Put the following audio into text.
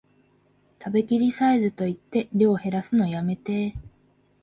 食べきりサイズと言って量へらすのやめて